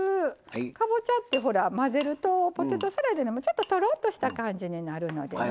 かぼちゃって混ぜるとポテトサラダよりもちょっととろっとした感じになるのでね。